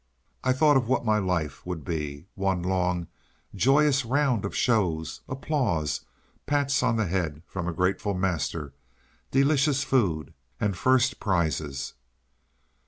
I thought of what my life would be one long, joyous round of shows, applause, pats on the head from a grateful master, delicious food and first prizes.